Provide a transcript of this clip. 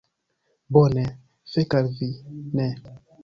Bone, fek al vi. Ne.